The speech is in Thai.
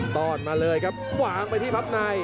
ตอนมาเลยครับวางไปที่พับใน